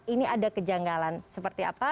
ini ada kejanggalan seperti apa